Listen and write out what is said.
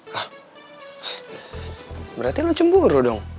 hah berarti lo cemburu dong